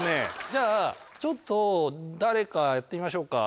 じゃあちょっと誰かやってみましょうか。